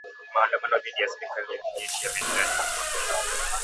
Maandamano dhidi ya serikali ya kijeshi yameendelea tangu mapinduzi